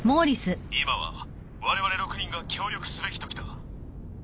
今はわれわれ６人が協力すべきときだ。